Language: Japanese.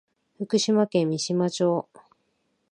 福島県三島町